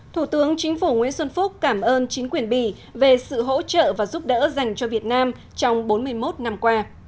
thủ tướng chính phủ nguyễn xuân phúc cảm ơn chính quyền bỉ về sự hỗ trợ và giúp đỡ dành cho việt nam trong bốn mươi một năm qua